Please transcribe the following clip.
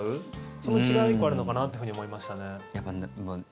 その違い、１個あるのかなと思いましたね。